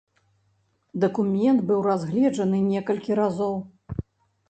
Дакумент быў разгледжаны некалькі разоў.